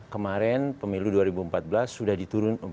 kemarin pemilu dua ribu empat belas sudah diturun empat